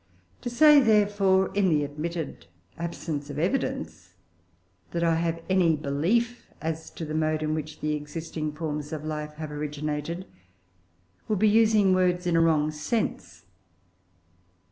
To say, therefore, in the admitted absence of evidence, that I have any belief as to the mode in which the existing forms of life have originated, would be using words in a wrong sense.